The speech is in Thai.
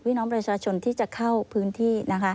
พี่น้องประชาชนที่จะเข้าพื้นที่นะคะ